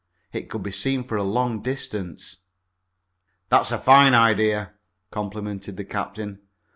It could be seen for a long distance. "That's a fine idea," complimented the captain.